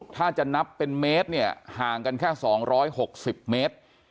ถ้าจะนับเป็นเมตรห่างกันแค่สองร้อยหกสิบเมตร